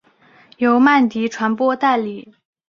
由曼迪传播代理。